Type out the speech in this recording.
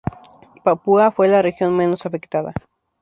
Papúa fue la región menos afectada.